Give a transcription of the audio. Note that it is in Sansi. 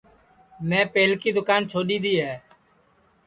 میں پہلکی دؔوکان چھوڈؔی دؔی ہے